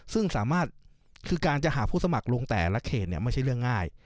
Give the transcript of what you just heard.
ซึ่งสามารถคือการจะหาผู้สมัครลงแต่ละเขตเนี่ยไม่ใช่เรื่องง่าย